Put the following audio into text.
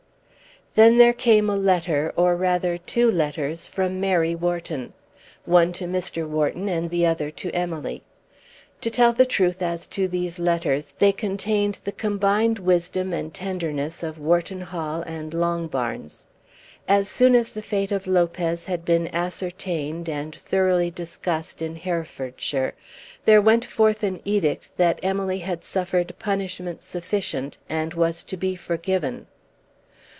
Then there came a letter, or rather two letters, from Mary Wharton; one to Mr. Wharton and the other to Emily. To tell the truth as to these letters, they contained the combined wisdom and tenderness of Wharton Hall and Longbarns. As soon as the fate of Lopez had been ascertained and thoroughly discussed in Herefordshire, there went forth an edict that Emily had suffered punishment sufficient and was to be forgiven.